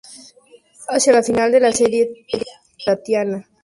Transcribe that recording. Hacia el final de esta serie, Tatyana canta en varios capítulos.